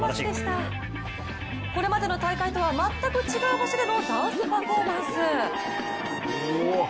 これまでの大会とは全く違う場所でのダンスパフォーマンス。